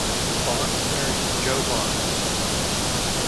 Barnes married Joe Barnes.